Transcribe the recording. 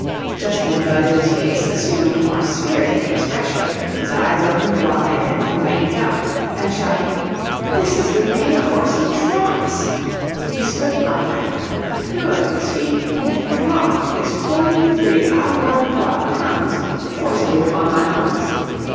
Just then Budge's face assumed a more spirited expression, his eyes opened wide and lightened up, and, shouting, "This the way the horsie TROTS," he stood upright, threw up his feet, and dropped his forty three avoirdupois pounds forcibly upon my lungs.